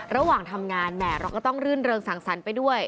ระหว่างทำงานแหม่เราก็ต้องรื่นเริงสังสรรค์ไปด้วย